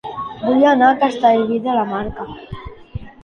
Vull anar a Castellví de la Marca